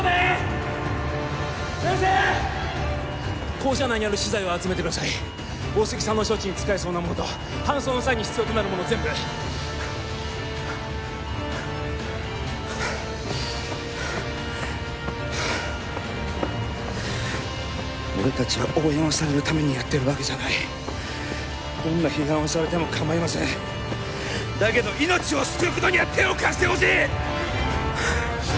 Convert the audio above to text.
校舎内にある資材を集めてください大杉さんの処置に使えそうなものと搬送の際に必要となるもの全部俺達は応援をされるためにやってるわけじゃないどんな批判をされても構いませんだけど命を救うことには手を貸してほしい！